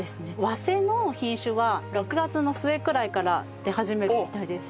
早生の品種は６月の末くらいから出始めるみたいです。